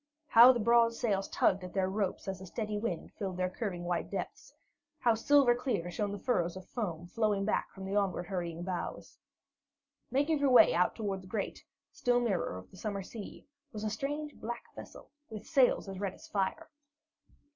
How the broad sails tugged at their ropes as a steady wind filled their curving white depths! How silver clear shone the furrows of foam flowing back from the onward hurrying bows! Making her way out toward the great, still mirror of the summer sea, was a strange black vessel, with sails as red as fire.